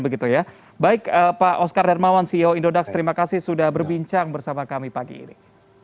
baik pak oskar darmawan ceo indodax terima kasih sudah berbincang bersama kami pagi ini